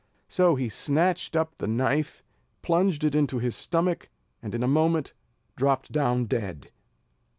So he snatched up the knife, plunged it into his stomach, and in a moment dropped down dead.